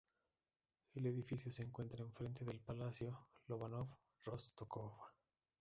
El edificio se encuentra enfrente del palacio Lobanov-Rostovska.